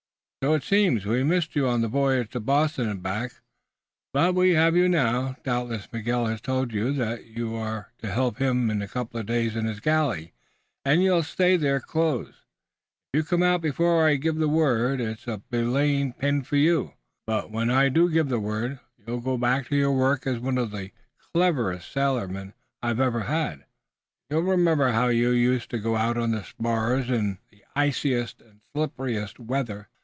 "So it seems. We missed you on the voyage to Boston and back, but we have you now. Doubtless Miguel has told you that you are to help him a couple of days in his galley, and you'll stay there close. If you come out before I give the word it's a belaying pin for you. But when I do give the word you'll go back to your work as one of the cleverest sailormen I ever had. You'll remember how you used to go out on the spars in the iciest and slipperiest weather.